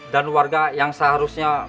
dan warga yang seharusnya